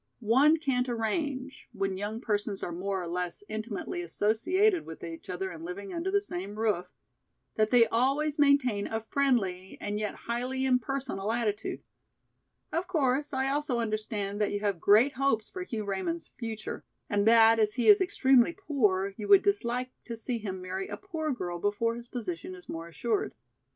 One can't arrange, when young persons are more or less intimately associated with each other and living under the same roof, that they always maintain a friendly and yet highly impersonal attitude. Of course I also understand that you have great hopes for Hugh Raymond's future, and that as he is extremely poor you would dislike to see him marry a poor girl before his position is more assured.